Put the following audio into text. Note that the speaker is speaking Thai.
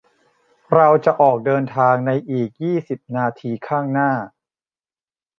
เราจะออกเดินทางในอีกยี่สิบนาทีข้างหน้า